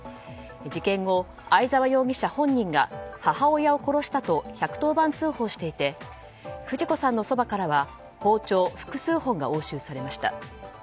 事件後、相沢容疑者本人が母親を殺したと１１０番通報していて富士子さんのそばからは包丁複数本が押収されました。